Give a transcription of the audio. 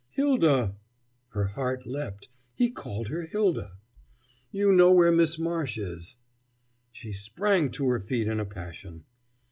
"Hylda" her heart leapt: he called her "Hylda"! "you know where Miss Marsh is." She sprang to her feet in a passion.